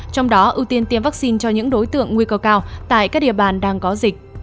trong đó ưu tiên tiêm vaccine cho những đối tượng nguy cơ cao tại các địa bàn đang có dịch